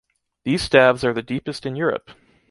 These staves are the deepest in Europe!